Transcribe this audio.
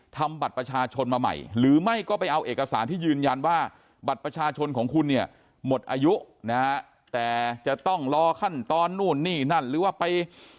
ทำบัตรประชาชนมาใหม่หรือไม่ก็ไปเอาเอกสารที่ยืนยันว่าบัตรประชาชนของคุณเนี่ยหมดอายุนะฮะแต่จะต้องรอขั้นตอนนู่นนี่นั่นหรือว่าไป